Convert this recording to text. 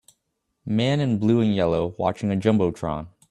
Man in blue and yellow watching a Jumbotron